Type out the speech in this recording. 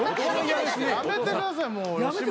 やめてくださいもう。